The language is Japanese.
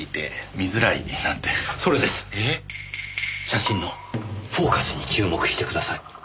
写真のフォーカスに注目してください。